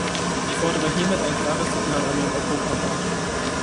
Ich fordere hiermit ein klares Signal an den Europarat.